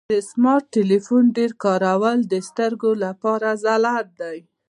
د سمارټ ټلیفون ډیر کارول د سترګو لپاره ضرري دی.